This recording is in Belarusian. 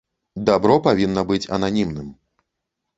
Дабро павінна быць ананімным.